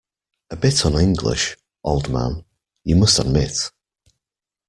A bit un-English, old man, you must admit.